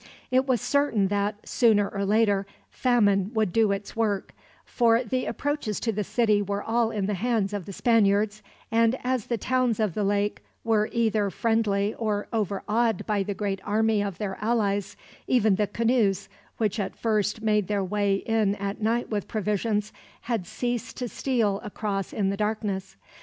It was certain that, sooner or later, famine would do its work; for the approaches to the city were all in the hands of the Spaniards, and as the towns of the lake were either friendly or overawed by the great army of their allies, even the canoes, which at first made their way in at night with provisions, had ceased to steal across in the darkness.